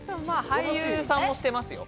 俳優さんもしてますよ。